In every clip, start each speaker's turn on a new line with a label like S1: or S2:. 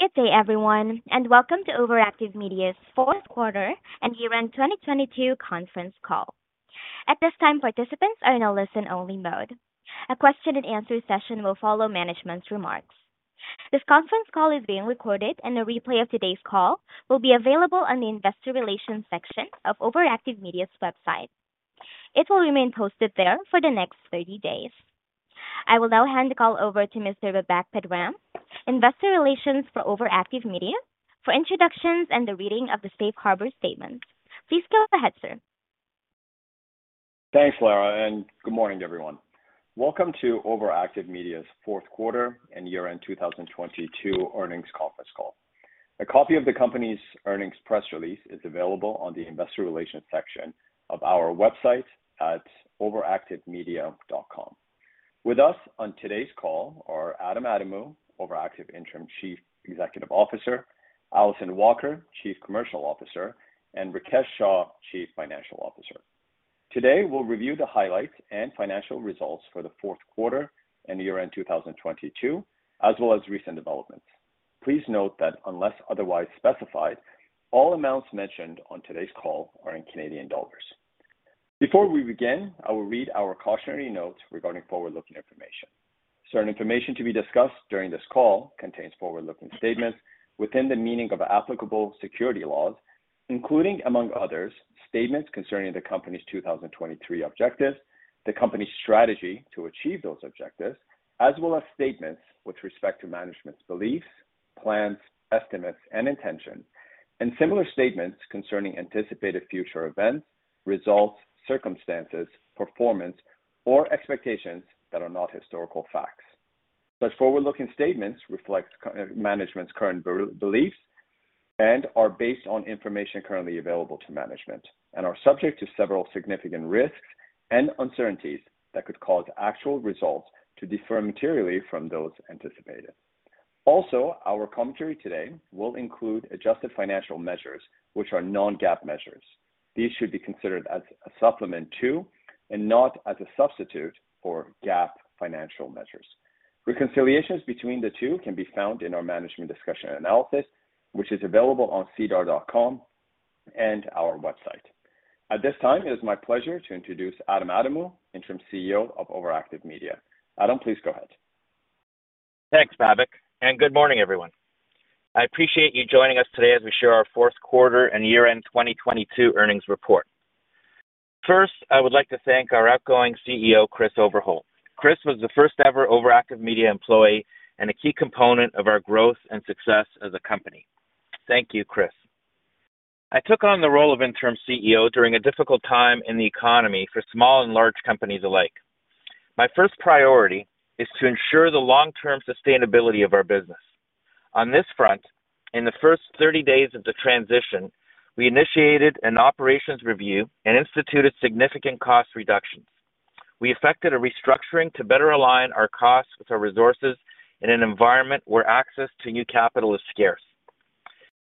S1: Good day everyone, welcome to OverActive Media's Q4 and year-end 2022 Conference Call. At this time, participants are in a listen-only mode. A question-and-answer session will follow management's remarks. This conference call is being recorded and a replay of today's call will be available on the investor relations section of OverActive Media's website. It will remain posted there for the next 30 days. I will now hand the call over to Mr. Babak Pedram, Investor Relations for OverActive Media for introductions and the reading of the safe harbor statement. Please go ahead, sir.
S2: Thanks, Lara, good morning everyone. Welcome to OverActive Media's Q4 and year-end 2022 earnings conference call. A copy of the company's earnings press release is available on the investor relations section of our website at overactivemedia.com. With us on today's call are Adam Adamou, OverActive Interim Chief Executive Officer, Alyson Walker, Chief Commercial officer and Rikesh Shah, Chief Financial Officer. We'll review the highlights and financial results for the Q4 and year-end 2022, as well as recent developments. Please note that unless otherwise specified, all amounts mentioned on today's call are in Canadian dollars. Before we begin, I will read our cautionary note regarding forward-looking information. Certain information to be discussed during this call contains forward-looking statements within the meaning of applicable security laws, including, among others, statements concerning the company's 2023 objectives, the company's strategy to achieve those objectives, as well as statements with respect to management's beliefs, plans, estimates and intentions and similar statements concerning anticipated future events, results, circumstances, performance or expectations that are not historical facts. Such forward-looking statements reflect management's current beliefs and are based on information currently available to management and are subject to several significant risks and uncertainties that could cause actual results to differ materially from those anticipated. Also, our commentary today will include adjusted financial measures, which are non-GAAP measures. These should be considered as a supplement to and not as a substitute for, GAAP financial measures. Reconciliations between the two can be found in our management discussion and analysis, which is available on sedar.com and our website. At this time, it is my pleasure to introduce Adam Adamou, Interim CEO of OverActive Media. Adam, please go ahead.
S3: Thanks, Babak. Good morning, everyone. I appreciate you joining us today as we share our Q4 and year-end 2022 earnings report. First, I would like to thank our outgoing CEO, Chris Overholt. Chris was the first ever OverActive Media employee and a key component of our growth and success as a company. Thank you, Chris. I took on the role of interim CEO during a difficult time in the economy for small and large companies alike. My first priority is to ensure the long-term sustainability of our business. On this front, in the first 30 days of the transition, we initiated an operations review and instituted significant cost reductions. We effected a restructuring to better align our costs with our resources in an environment where access to new capital is scarce.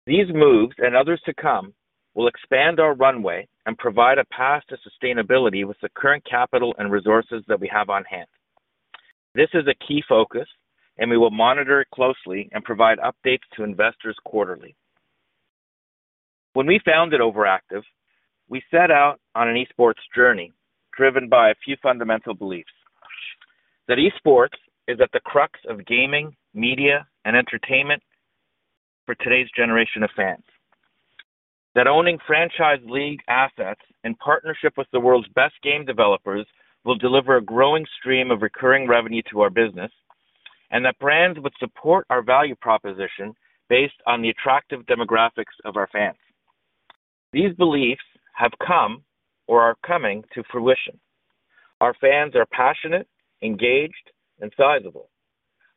S3: These moves and others to come will expand our runway and provide a path to sustainability with the current capital and resources that we have on-hand. This is a key focus and we will monitor it closely and provide updates to investors quarterly. When we founded OverActive Media, we set out on an Esports journey driven by a few fundamental beliefs: that Esports is at the crux of gaming, media and entertainment for today's generation of fans, that owning franchise League assets in partnership with the world's best game developers will deliver a growing stream of recurring revenue to our business and that brands would support our value proposition based on the attractive demographics of our fans. These beliefs have come or are coming to fruition. Our fans are passionate, engaged and sizable.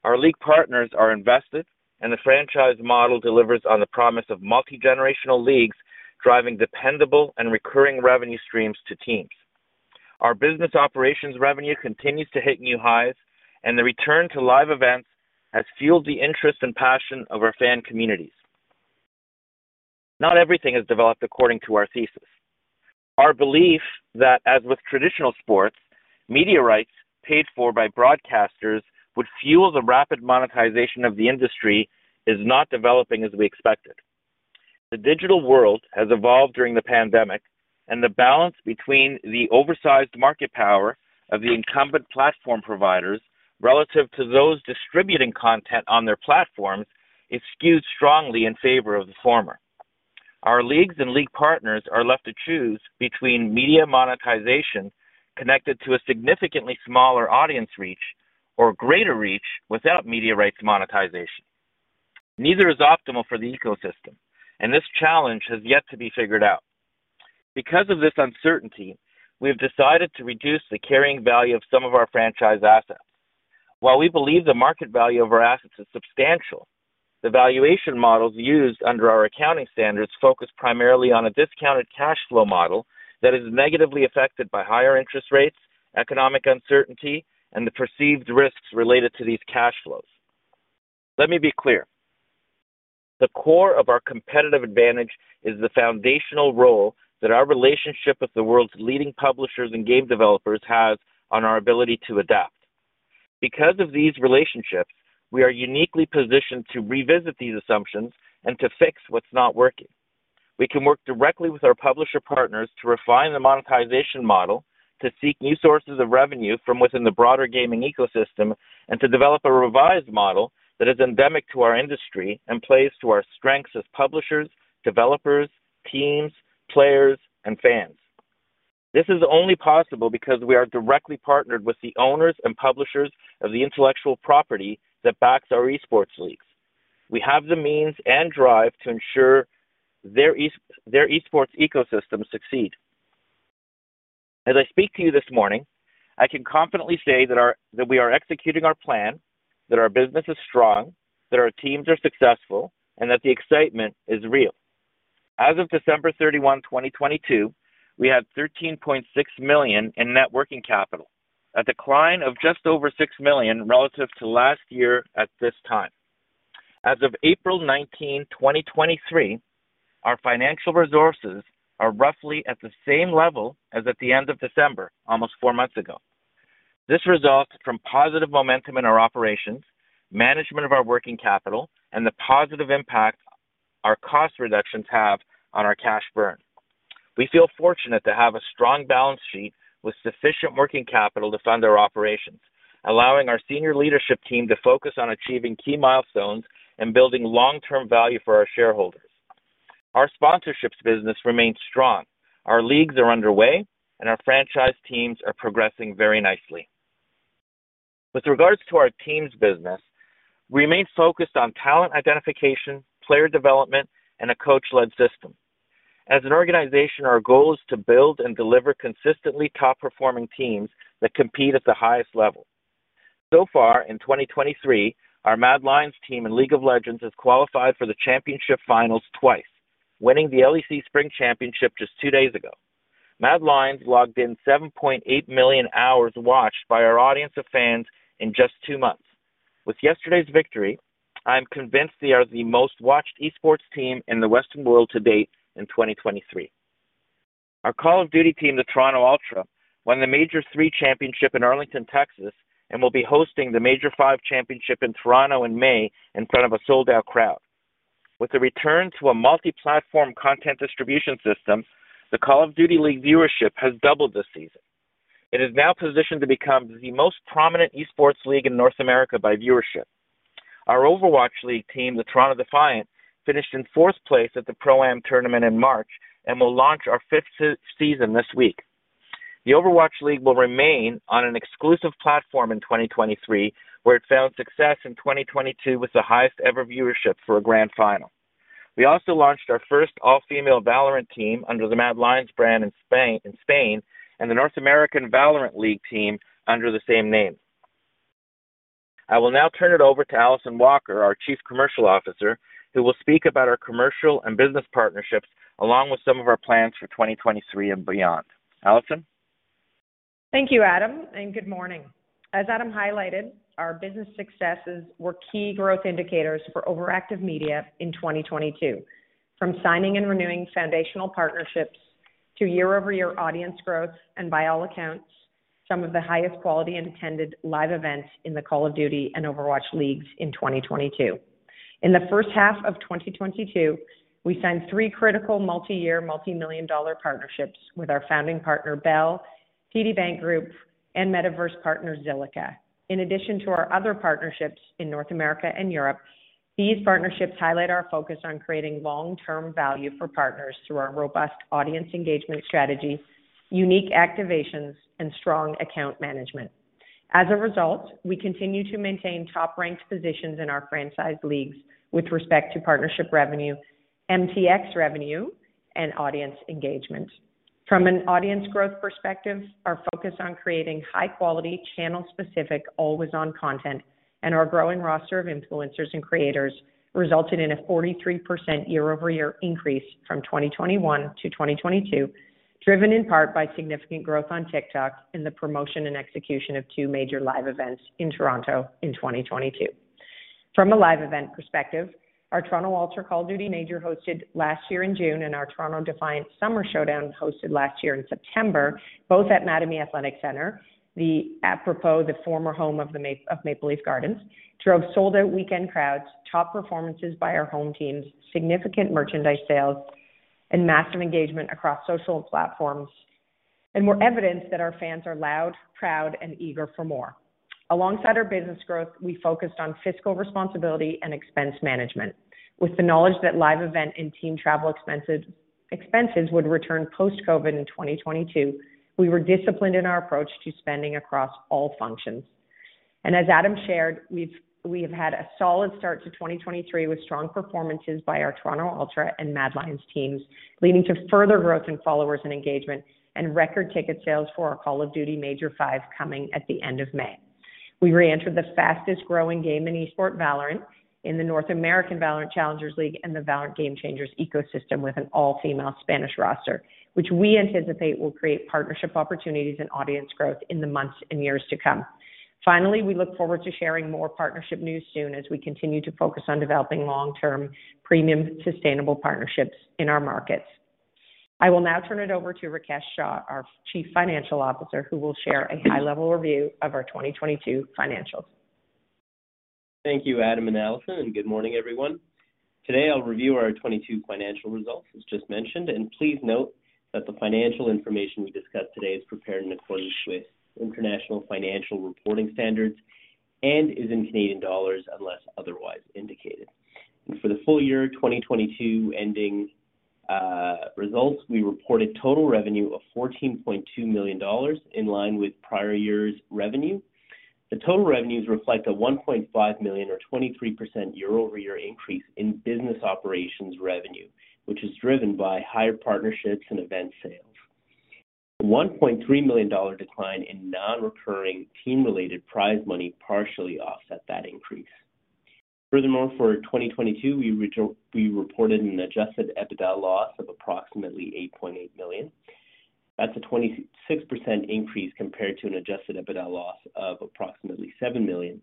S3: Our League partners are invested and the franchise model delivers on the promise of multi-generational Leagues driving dependable and recurring revenue streams to teams. Our business operations revenue continues to hit new highs and the return to live events has fueled the interest and passion of our fan communities. Not everything has developed according to our thesis. Our belief that as with traditional sports, media rights paid for by broadcasters would fuel the rapid monetization of the industry is not developing as we expected. The digital world has evolved during the pandemic and the balance between the oversized market power of the incumbent platform providers relative to those distributing content on their platforms is skewed strongly in favor of the former. Our Leagues and League partners are left to choose between media monetization connected to a significantly smaller audience reach or greater reach without media rights monetization. Neither is optimal for the ecosystem and this challenge has yet to be figured out. Because of this uncertainty, we have decided to reduce the carrying value of some of our franchise assets. While we believe the market value of our assets is substantial, the valuation models used under our accounting standards focus primarily on a discounted cash flow model that is negatively affected by higher interest rates, economic uncertainty and the perceived risks related to these cash flows. Let me be clear. The core of our competitive advantage is the foundational role that our relationship with the world's leading publishers and game developers has on our ability to adapt. Because of these relationships, we are uniquely positioned to revisit these assumptions and to fix what's not working. We can work directly with our publisher partners to refine the monetization model, to seek new sources of revenue from within the broader gaming ecosystem and to develop a revised model that is endemic to our industry and plays to our strengths as publishers, developers, teams, players and fans. This is only possible because we are directly partnered with the owners and publishers of the intellectual property that backs our Esports Leagues. We have the means and drive to ensure their Esports ecosystems succeed. As I speak to you this morning, I can confidently say that we are executing our plan, that our business is strong, that our teams are successful and that the excitement is real. As of December 31, 2022, we had 13.6 million in net working capital, a decline of just over 6 million relative to last year at this time. As of April 19, 2023, our financial resources are roughly at the same level as at the end of December, almost 4 months ago. This results from positive momentum in our operations, management of our working capital and the positive impact our cost reductions have on our cash burn. We feel fortunate to have a strong balance sheet with sufficient working capital to fund our operations, allowing our senior leadership team to focus on achieving key milestones and building long-term value for our shareholders. Our sponsorships business remains strong. Our Leagues are underway. Our franchise teams are progressing very nicely. With regards to our teams business, we remain focused on talent identification, player development and a coach-led system. As an organization, our goal is to build and deliver consistently top-performing teams that compete at the highest level. So far in 2023, our MAD Lions team in League of Legends has qualified for the championship finals twice, winning the LEC Spring Championship just 2 days ago. MAD Lions logged in 7.8 million hours watched by our audience of fans in just 2 months. With yesterday's victory, I'm convinced they are the most-watched Esports team in the Western world to date in 2023. Our Call of Duty team, the Toronto Ultra, won the Major III championship in Arlington, Texas and will be hosting the Major V championship in Toronto in May in front of a sold-out crowd. With the return to a multi-platform content distribution system, the Call of Duty League viewership has doubled this season. It is now positioned to become the most prominent Esports League in North America by viewership. Our Overwatch League team, the Toronto Defiant, finished in fourth place at the Pro-Am tournament in March and will launch our fifth season this week. The Overwatch League will remain on an exclusive platform in 2023, where it found success in 2022 with the highest-ever viewership for a grand final. We also launched our first all-female Valorant team under the MAD Lions brand in Spain and the North American Valorant League team under the same name. I will now turn it over to Alyson Walker, our Chief Commercial Officer, who will speak about our commercial and business partnerships, along with some of our plans for 2023 and beyond. Alyson.
S4: Thank you, adam and good morning. As Adam highlighted, our business successes were key growth indicators for OverActive Media in 2022, from signing and renewing foundational partnerships to year-over-year audience growth and, by all accounts, some of the highest quality and attended live events in the Call of Duty and Overwatch League in 2022. In the first half of 2022, we signed 3 critical multi-year, multi-million dollar partnerships with our founding partner, Bell, TD Bank Group and metaverse partner, Zilliqa. In addition to our other partnerships in North America and Europe, these partnerships highlight our focus on creating long-term value for partners through our robust audience engagement strategies, unique activations and strong account management. As a result, we continue to maintain top-ranked positions in our franchised Leagues with respect to partnership revenue, MTX revenue and audience engagement. From an audience growth perspective, our focus on creating high-quality, channel-specific, always-on content and our growing roster of influencers and creators resulted in a 43% year-over-year increase from 2021 to 2022, driven in part by significant growth on TikTok and the promotion and execution of two major live events in Toronto in 2022. From a live event perspective, our Toronto Ultra Call of Duty Major hosted last year in June and our Toronto Defiant Summer Showdown hosted last year in September, both at Mattamy Athletic Centre, apropos the former home of Maple Leaf Gardens, drove sold-out weekend crowds, top performances by our home teams, significant merchandise sales and massive engagement across social platforms and were evidence that our fans are loud, proud and eager for more. Alongside our business growth, we focused on fiscal responsibility and expense management. With the knowledge that live event and team travel expenses would return post-COVID in 2022, we were disciplined in our approach to spending across all functions. As Adam shared, we have had a solid start to 2023 with strong performances by our Toronto Ultra and MAD Lions teams, leading to further growth in followers and engagement and record ticket sales for our Call of Duty Major V coming at the end of May. We reentered the fastest-growing game in Esport, Valorant, in the North American Valorant Challengers League and the Valorant Game Changers ecosystem with an all-female Spanish roster, which we anticipate will create partnership opportunities and audience growth in the months and years to come. Finally, we look forward to sharing more partnership news soon as we continue to focus on developing long-term, premium, sustainable partnerships in our markets. I will now turn it over to Rikesh Shah, our Chief Financial Officer, who will share a high-level review of our 2022 financials.
S5: Thank you, Adam and Alyson, good morning, everyone. Today, I'll review our 2022 financial results, as just mentioned. Please note that the financial information we discuss today is prepared in accordance with international financial reporting standards and is in Canadian dollars unless otherwise indicated. For the full year 2022 ending results, we reported total revenue of 14.2 million dollars in line with prior year's revenue. The total revenues reflect a 1.5 million or 23% year-over-year increase in business operations revenue, which is driven by higher partnerships and event sales. 1.3 million dollar decline in non-recurring team-related prize money partially offset that increase. Furthermore, for 2022, we reported an Adjusted EBITDA loss of approximately 8.8 million. That's a 26% increase compared to an Adjusted EBITDA loss of approximately 7 million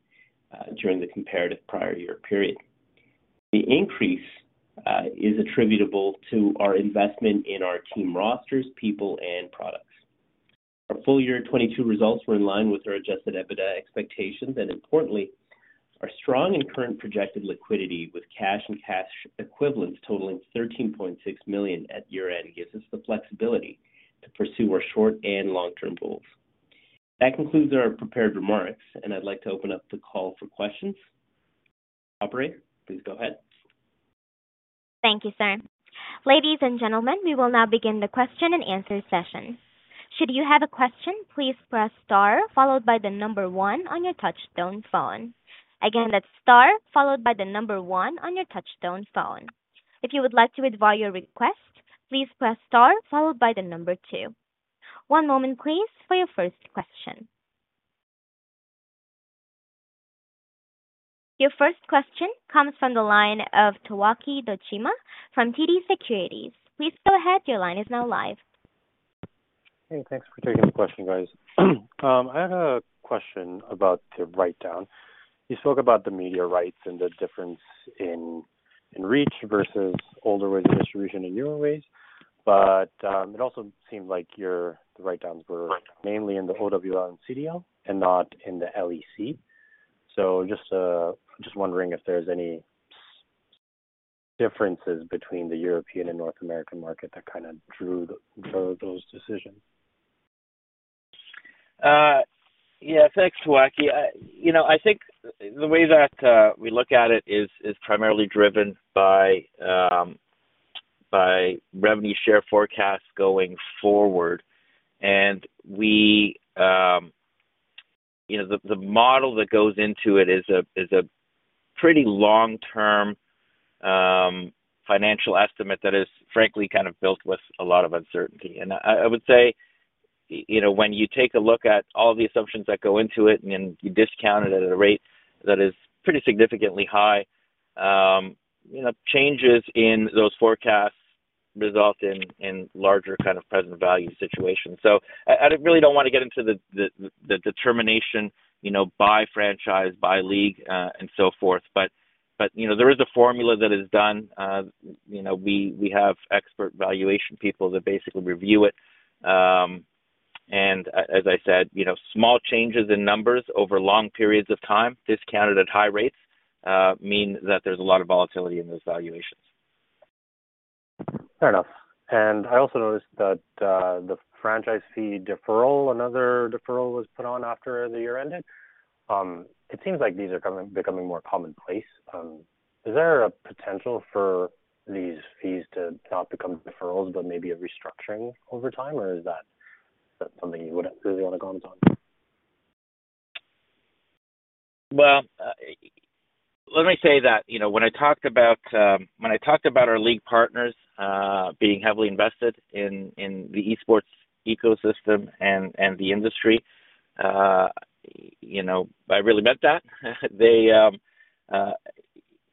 S5: during the comparative prior year period. The increase is attributable to our investment in our team rosters, people and products. Our full year 2022 results were in line with our Adjusted EBITDA expectations. Importantly, our strong and current projected liquidity with cash and cash equivalents totaling 13.6 million at year-end gives us the flexibility to pursue our short and long-term goals. That concludes our prepared remarks. I'd like to open up the call for questions. Operator, please go ahead.
S1: Thank you, sir. Ladies and gentlemen, we will now begin the question and answer session. Should you have a question, please press star followed by one on your touch tone phone. Again, that's star followed by one on your touch tone phone. If you would like to withdraw your request, please press star followed by two. One moment please, for your first question. Your first question comes from the line of Gianluca Tucci from TD Securities. Please go ahead. Your line is now live.
S6: Hey, thanks for taking the question, guys. I have a question about the writedown. You spoke about the media rights and the difference in reach versus older way distribution and newer ways. It also seemed like your writedowns were mainly in the OWL and CDL and not in the LEC. Just wondering if there's any differences between the European and North American market that kinda drew those decisions.
S3: Yeah, thanks, Tucci. You know, I think the way that we look at it is primarily driven by revenue share forecasts going forward. We, you know, the model that goes into it is a pretty long-term financial estimate that is frankly kind of built with a lot of uncertainty. You know, when you take a look at all the assumptions that go into it and you discount it at a rate that is pretty significantly high, you know, changes in those forecasts result in larger kind of present value situations. I really don't want to get into the determination, you know, by franchise, by League and so forth but, you know, there is a formula that is done. You know, we have expert valuation people that basically review it. As I said, you know, small changes in numbers over long periods of time, discounted at high rates, mean that there's a lot of volatility in those valuations.
S6: Fair enough. I also noticed that the franchise fee deferral, another deferral was put on after the year ended. It seems like these are becoming more commonplace. Is there a potential for these fees to not become deferrals but maybe a restructuring over time? Or is that something you wouldn't really want to comment on?
S3: Well, let me say that, you know, when I talked about, when I talked about our League partners, being heavily invested in the Esports ecosystem and the industry, you know, I really meant that. They,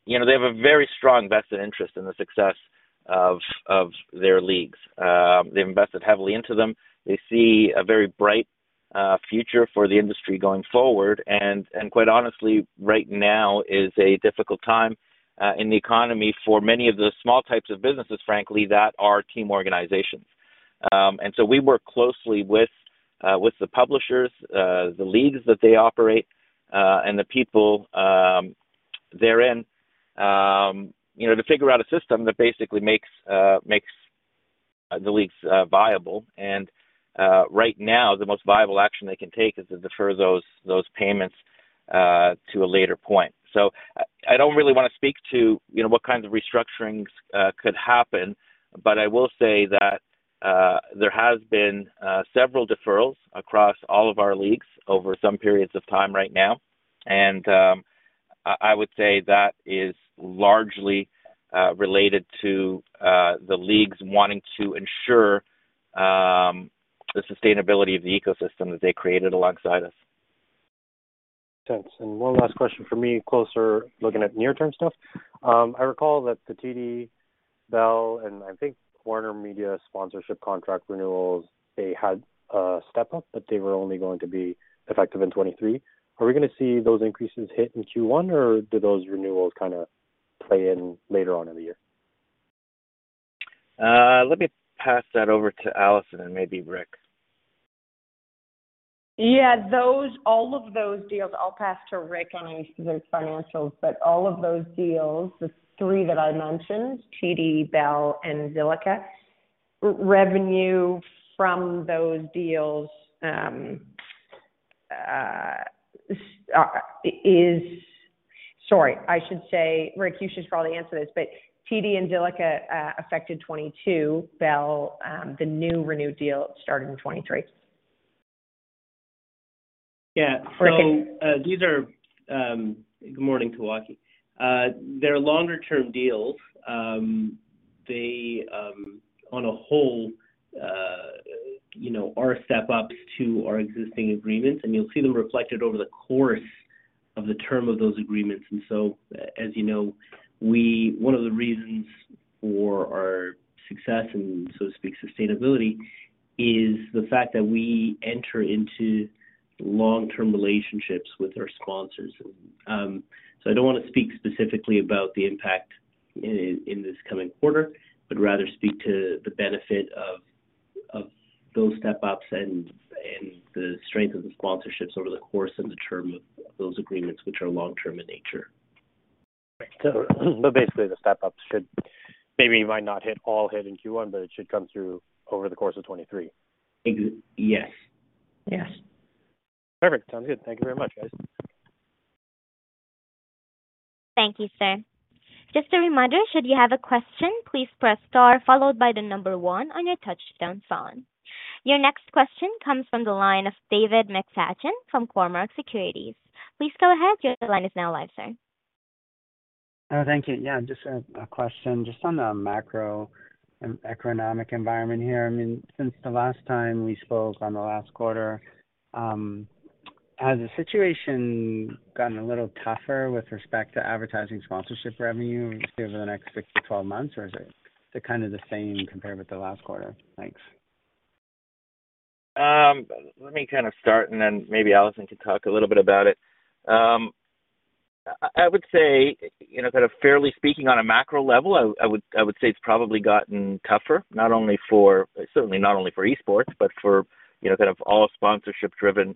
S3: you know, they have a very strong vested interest in the success of their Leagues. They've invested heavily into them. They see a very bright future for the industry going forward. Quite honestly, right now is a difficult time in the economy for many of the small types of businesses, frankly, that are team organizations. We work closely with the publishers, the Leagues that they operate and the people therein, you know, to figure out a system that basically makes the Leagues viable. Right now, the most viable action they can take is to defer those payments to a later point. I don't really want to speak to, you know, what kinds of restructurings could happen but I will say that there has been several deferrals across all of our Leagues over some periods of time right now. I would say that is largely related to the Leagues wanting to ensure the sustainability of the ecosystem that they created alongside us.
S6: Thanks. One last question from me, closer looking at near-term stuff. I recall that the TD, Bell and I think WarnerMedia sponsorship contract renewals, they had a step-up but they were only going to be effective in 2023. Are we gonna see those increases hit in Q1, or do those renewals kinda play in later on in the year?
S3: Let me pass that over to Alyson and maybe Rick.
S4: Yeah, all of those deals, I'll pass to Rick on those financials but all of those deals, the three that I mentioned, TD, Bell and Zilliqa, revenue from those deals, is. Sorry, I should say, Rick, you should probably answer this but TD and Zilliqa, affected 2022. Bell, the new renewed deal started in 2023.
S3: Yeah. These are. Good morning, Gianluca Tucci. They're longer-term deals. They, on a whole, you know, are step-ups to our existing agreements and you'll see them reflected over the course of the term of those agreements. As you know, one of the reasons for our success and, so to speak, sustainability is the fact that we enter into long-term relationships with our sponsors. So I don't wanna speak specifically about the impact in this coming quarter but rather speak to the benefit of those step-ups and the strength of the sponsorships over the course and the term of those agreements, which are long-term in nature.
S6: but basically, the step-ups should maybe might not hit all in q1 but it should come through over the course of 2023.
S3: Yes. Yes.
S6: Perfect. Sounds good. Thank you very much, guys.
S1: Thank you, sir. Just a reminder, should you have a question, please press star followed by the number one on your touch-tone phone. Your next question comes from the line of David McFadgen from Cormark Securities. Please go ahead. Your line is now live, sir.
S7: Oh, thank you. Yeah, just a question just on the macro and economic environment here. I mean, since the last time we spoke on the last quarter, has the situation gotten a little tougher with respect to advertising sponsorship revenue over the next 6-12 months, or is it kinda the same compared with the last quarter? Thanks.
S3: Let me kind of start, maybe Alyson can talk a little bit about it. I would say, you know, kind of fairly speaking on a macro level, I would say it's probably gotten tougher not only for... certainly not only for Esports but for, you know, kind of all sponsorship-driven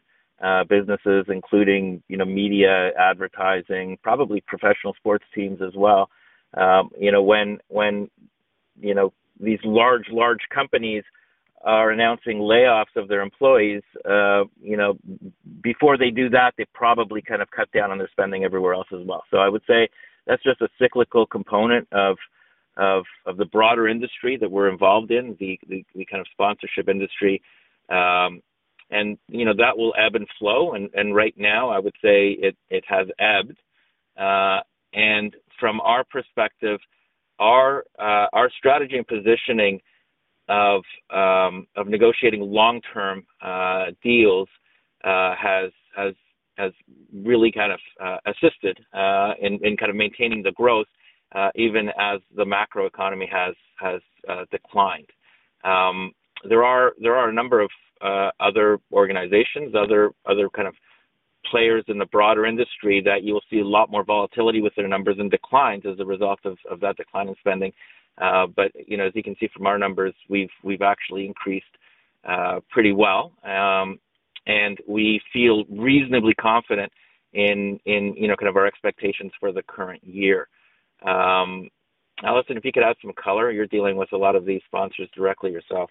S3: businesses, including, you know, Media, Advertising, probably professional sports teams as well. You know, when, you know, these large companies are announcing layoffs of their employees, you know, before they do that, they probably kind of cut down on their spending everywhere else as well. I would say that's just a cyclical component of the broader industry that we're involved in, the kind of sponsorship industry. You know, that will ebb and flow. Right now, I would say it has ebbed. From our perspective, our strategy and positioning of negotiating long-term deals has really kind of assisted in kind of maintaining the growth even as the macroeconomy has declined. There are a number of other organizations, other kind of players in the broader industry that you'll see a lot more volatility with their numbers and declines as a result of that decline in spending. But, you know, as you can see from our numbers, we've actually increased pretty well. And we feel reasonably confident in, you know, kind of our expectations for the current year. Alyson, if you could add some color, you're dealing with a lot of these sponsors directly yourself.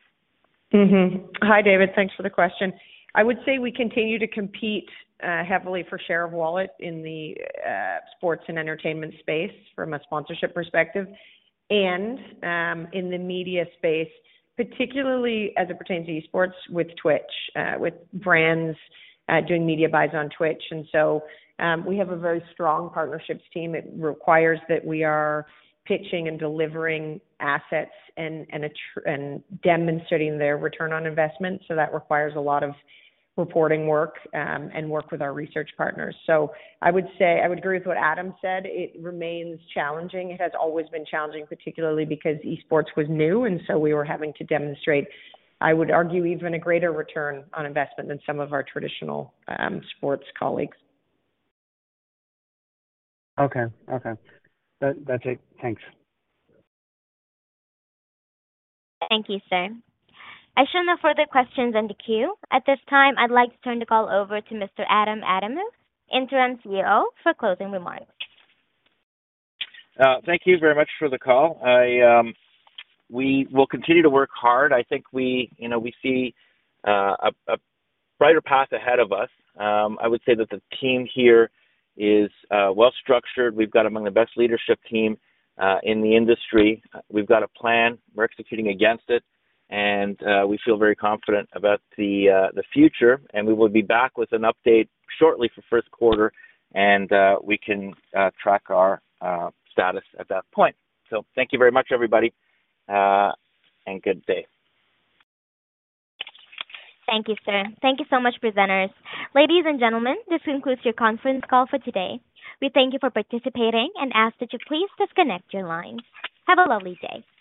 S4: Hi, David. Thanks for the question. I would say we continue to compete heavily for share of wallet in the sports and entertainment space from a sponsorship perspective and in the media space, particularly as it pertains to Esports with Twitch, with brands doing media buys on Twitch. We have a very strong partnerships team. It requires that we are pitching and delivering assets and demonstrating their return on investment. That requires a lot of reporting work and work with our research partners. I would say I would agree with what Adam said. It remains challenging. It has always been challenging, particularly because Esports was new and we were having to demonstrate, I would argue, even a greater return on investment than some of our traditional sports colLeagues.
S7: Okay. Okay. That's it. Thanks.
S1: Thank you, sir. I show no further questions in the queue. At this time, I'd like to turn the call over to Mr. Adam Adamou, Interim CEO, for closing remarks.
S3: Thank you very much for the call. We will continue to work hard. I think we, you know, we see a brighter path ahead of us. I would say that the team here is well-structured. We've got among the best leadership team in the industry. We've got a plan. We're executing against it, we feel very confident about the future. We will be back with an update shortly for first quarter, we can track our status at that point. Thank you very much, everybody, good day.
S1: Thank you, sir. Thank you so much, presenters. Ladies and gentlemen, this concludes your conference call for today. We thank you for participating and ask that you please disconnect your lines. Have a lovely day.